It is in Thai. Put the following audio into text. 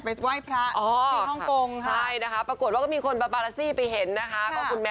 ไปทำวงทำมนใช่ไหมคะ